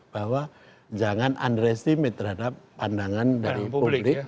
bahwa jangan unrestimate terhadap pandangan dari publik